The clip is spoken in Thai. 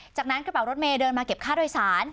จากนั้นกระเป๋ารถเมย์เดินมาเก็บค่าโดยสาร